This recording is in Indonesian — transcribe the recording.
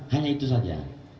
hanya itu saja